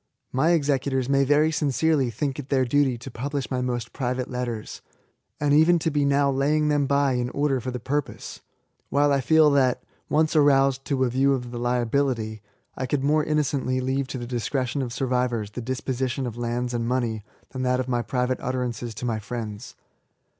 My executors may very sincereTy think it their duty to publish my most private letters, — and even to be now laying them by in order for the purpose : while I feel that, once aroused to a view of the liability, I could more innocently leave to the discretion of survivors the disposition of lands and money than that of my private utter ances to my friends.